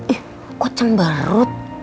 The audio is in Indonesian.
ih kok cemberut